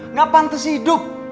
nggak pantas hidup